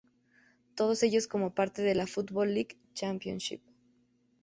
Todos ellos como parte de la Football League Championship.